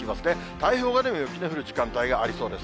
太平洋側でも雪の降る時間帯がありそうです。